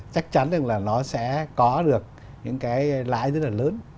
chắc chắn rằng là nó sẽ có được những cái lãi rất là lớn